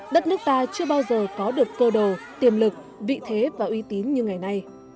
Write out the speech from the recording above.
đất nước ta chưa bao giờ có được cơ đồ tiềm lực vị thế và uy tín như ngày nay